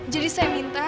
jadi saya minta